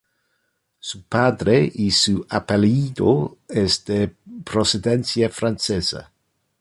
Su padre y su apellido es de procedencia francesa.